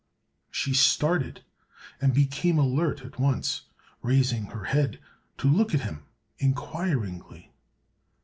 She started and became alert at once, raising her head to look at him inquiringly.